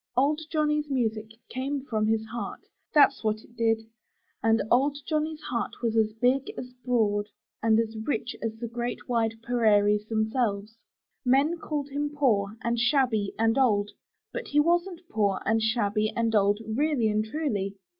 Old Johnny's music came from his heart — that's what it did — and old Johnny's heart was as big, as broad, and as rich as the great wide prairies themselves. Men called him poor, and shabby, and old, but he wasn't poor, and shabby, and old, really and truly.